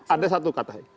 ada satu kata